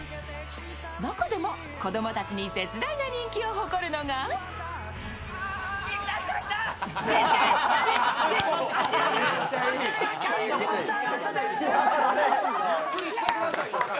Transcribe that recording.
中でも子供たちに絶大な人気を誇るのがやったー！